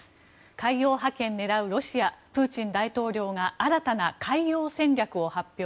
海洋覇権狙うロシアプーチン大統領が新たな海洋戦略を発表。